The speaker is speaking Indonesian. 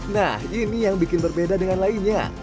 nah ini yang bikin berbeda dengan lainnya